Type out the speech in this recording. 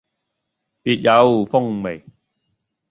別有風味